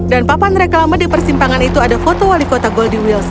dan papan reklama di persimpangan itu ada foto wali kota goldie wilson